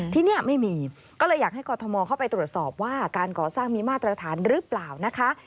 ที่นี่ไม่มีก็เลยอยากให้กรทมเข้าไปตรวจสอบว่าการก่อสร้างมีมาตรฐานหรือเปล่านะคะ